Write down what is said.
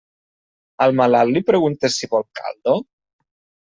Al malalt li preguntes si vol caldo?